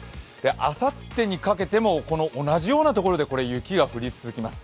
あさってにかけても同じような所で雪が降り続きます。